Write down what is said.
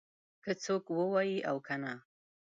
که څوک ووايي او که نه.